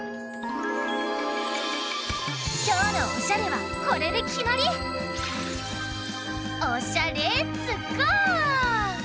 きょうのオシャレはこれできまり！オシャレッツゴー！